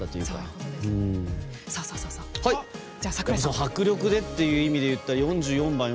迫力という意味でいったら４４番。